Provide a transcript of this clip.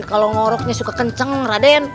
kalau ngoroknya suka kenceng raden